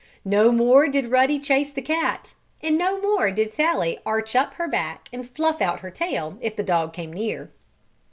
No more did Ruddy chase the cat, and no more did Sallie arch up her back and fluff out her tail if the dog came near.